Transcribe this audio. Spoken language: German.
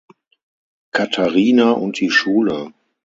Katharina und die Schule.